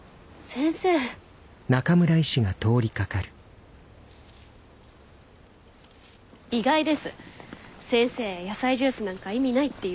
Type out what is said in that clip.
先生野菜ジュースなんか意味ないって言うと思ってたのに。